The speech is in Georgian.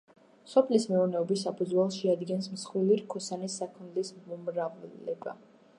სოფლის მეურნეობის საფუძველს შეადგენს მსხვილი რქოსანი საქონელის მომრავლება.